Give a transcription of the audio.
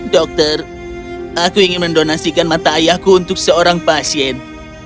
dokter aku ingin mendonasikan mata ayahku untuk seorang pasien